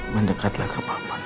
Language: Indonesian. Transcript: mendekatlah ke papa ma